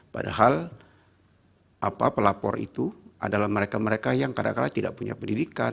padahal pelapor itu adalah mereka mereka yang kadang kadang tidak punya pendidikan